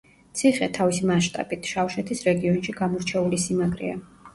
ციხე, თავისი მასშტაბით, შავშეთის რეგიონში გამორჩეული სიმაგრეა.